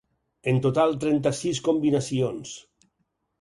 En total trenta-sis combinacions.